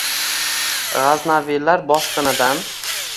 Gʼaznaviylar bosqinidan